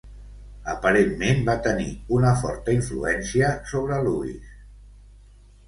Aparentment va tenir una forta influència sobre Louis.